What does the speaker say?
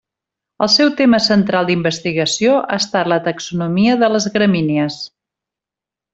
El seu tema central d'investigació ha estat la taxonomia de les gramínies.